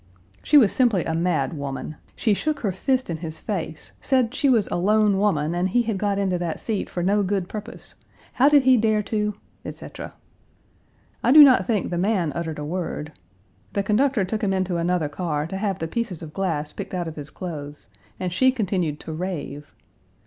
She was simply a mad woman. She shook her fist in his face; said she was a lone woman and he had got into that seat for no good purpose. How did he dare to? etc. I do not think the man uttered a word. The conductor took him into another car to have the pieces of glass picked out of his clothes, and she continued to rave.